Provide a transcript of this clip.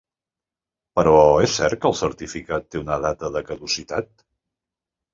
Però és cert que el certificat té una data de caducitat?